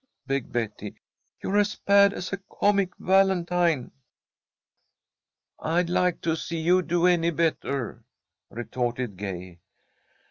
begged Betty. "You're as bad as a comic valentine." "I'd like to see you do any better," retorted Gay.